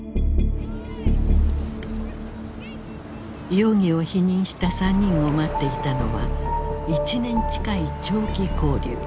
容疑を否認した３人を待っていたのは１年近い長期勾留。